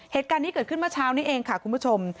เหตุการณ์นี้เกิดขึ้นเมื่อเช้านี้เองค่ะคุณผู้ชม